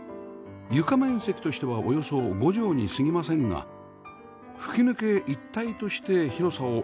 床面積としてはおよそ５畳に過ぎませんが吹き抜け一体として広さを演出します